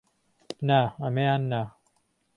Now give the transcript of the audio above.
نا، ئەمەیان نا!